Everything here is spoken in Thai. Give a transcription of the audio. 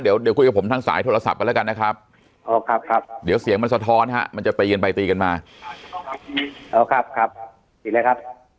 เดี๋ยวคุยกับผมทางสายโทรศัพท์กันแล้วกันนะครับครับเดี๋ยวเสียงมันสะท้อนฮะมันจะตีกันไปตีกันมาอ๋อครับครับตีเลยครับ